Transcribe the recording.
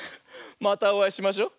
またおあいしましょう。